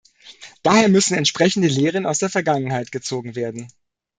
Daher müssen entsprechende Lehren aus der Vergangenheit gezogen werden.